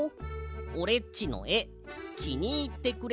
おれっちのえきにいってくれた？